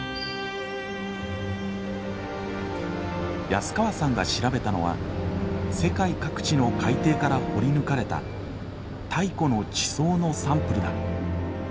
安川さんが調べたのは世界各地の海底から掘り抜かれた太古の地層のサンプルだ。